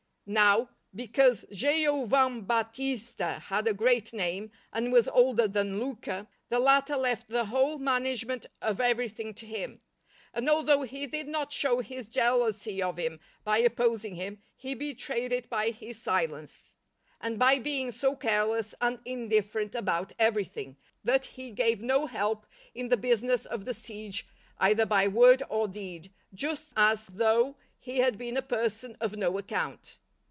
Now, because Giovambattista had a great name, and was older than Luca, the latter left the whole management of everything to him; and although he did not show his jealousy of him by opposing him, he betrayed it by his silence, and by being so careless and indifferent about everything, that he gave no help in the business of the siege either by word or deed, just as though he had been a person of no account.